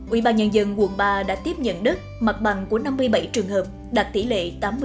ubnd quận ba đã tiếp nhận đất mặt bằng của năm mươi bảy trường hợp đạt tỷ lệ tám mươi